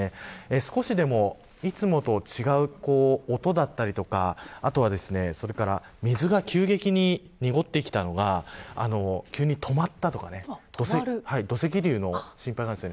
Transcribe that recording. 少しでも、いつもと違う音だったりとか水が急激に濁ってきたのが急に止まったとか土石流の心配があります。